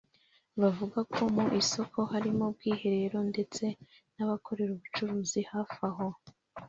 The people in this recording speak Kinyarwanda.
Bavuga ko mu isoko harimo ubwiherero ndetse n’abakorera ubucuruzi hafi aho